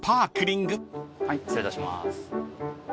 はい失礼いたします。